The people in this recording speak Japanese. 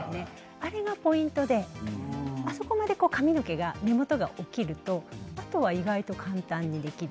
あれがポイントであそこまで髪の毛の根元が起きるとあとは意外と簡単にできる。